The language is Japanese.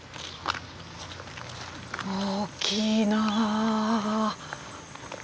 大きいなあ。